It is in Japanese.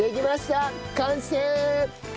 完成！